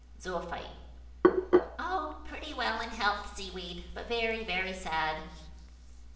Zoophyte. "Oh, pretty well in health, Seaweed, but very, very sad.